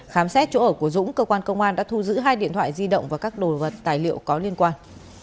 khám xét chỗ ở của dũng cơ quan công an đã thu giữ hai điện thoại di động và các đồ vật tài liệu có liên quan